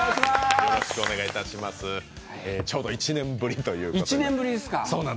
ちょうど１年ぶりということで。